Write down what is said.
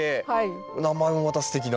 名前もまたすてきな。